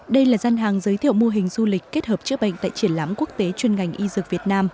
đây là gian hàng giới thiệu mô hình du lịch kết hợp chữa bệnh tại triển lãm quốc tế chuyên ngành y dược việt nam